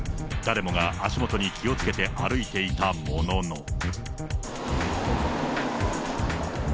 誰もが足元に気をつけて歩いていたものの。